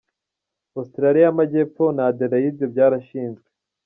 Australia y’amajyepfo na Adelaide byarashinzwe.